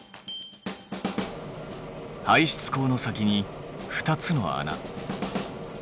排出口の先に２つの穴。